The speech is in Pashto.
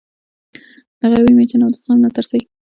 د غریبۍ مېچن او د زغم ناترسۍ